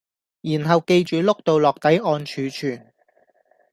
然後記住碌到落底按儲存